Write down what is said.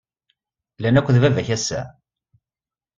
Llan akked baba ass-a?